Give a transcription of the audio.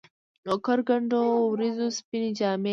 اوکر کنډو ، وریځو سپيني جامې